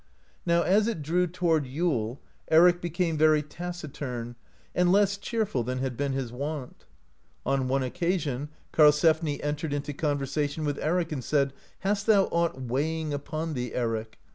Now as it drew toward Yule Eric became very taciturn, and less cheerful than had 48 THORFINN IS BETROTHED TO THURID been his wont. On erne occasion Karlsefni entered into conversation with Eric, and said: "Hast thou aught weighing upon thee, Eric